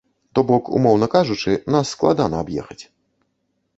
То бок, умоўна кажучы, нас складана аб'ехаць.